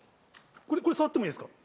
これ触ってもいいですか？